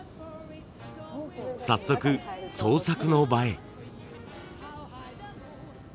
早速創作の場へ。